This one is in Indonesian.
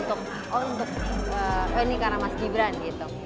kadang kadang orang kan hanya datang untuk oh ini karena mas jibran gitu